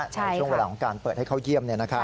ในช่วงเวลาของการเปิดให้เข้าเยี่ยม